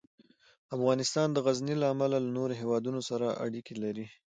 افغانستان د غزني له امله له نورو هېوادونو سره اړیکې لري.